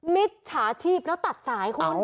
มิจฉาชีพแล้วตัดสายคุณ